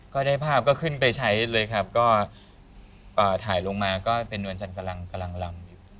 ก็ได้ภาพก็ขึ้นไปใช้เลยครับก็ถ่ายลงมาก็เป็นนวลจันทร์กำลังลำอยู่